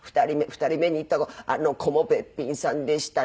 ２人目に行った子あの子もべっぴんさんでしたね。